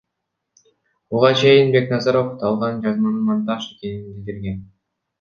Буга чейин Бекназаров аталган жазманын монтаж экенин билдирген.